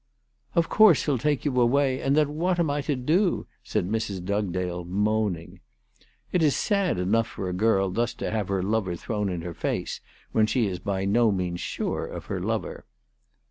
" Of course he'll take you away, and then what am I to do ?" said Mrs. Dugdale moaning. It is sad enough for a girl thus to have her lover thrown in her face when she is by no means sure of her lover.